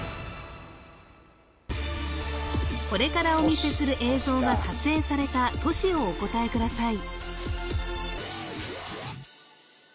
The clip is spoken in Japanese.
これからお見せする映像が撮影された都市をお答えください